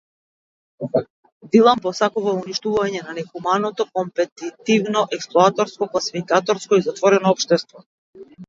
Дилан посакува уништување на нехуманото, компетитивно, експлоататорско, класификаторско и затворено општество.